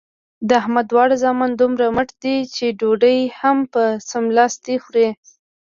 د احمد دواړه زامن دومره مټ دي چې ډوډۍ هم په څملاستې خوري.